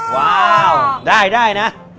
ว้าวได้นะ